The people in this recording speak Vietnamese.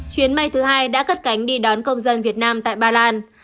chuyến bay thứ hai đã cất cánh đi đón công dân việt nam tại ba lan